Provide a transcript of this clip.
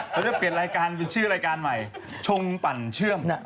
เขาจะเปลี่ยนรายการเป็นชื่อรายการใหม่ชงปั่นเชื่อมเนี่ย